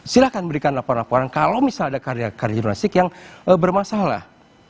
silahkan berikan laporan laporan kalau misalnya ada karya karya jurnalistik yang bermasalah